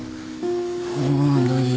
あ大丈夫。